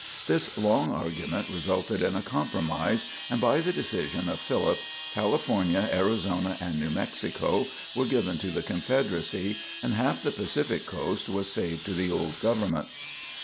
This long argument resulted in a compromise, and by the decision of Philip, California, Arizona, and New Mexico were given to the Confederacy, and half the Pacific coast was saved to the old government.